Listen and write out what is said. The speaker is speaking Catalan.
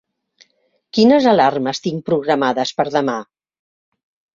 Quines alarmes tinc programades per demà?